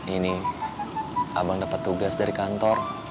ini abang dapat tugas dari kantor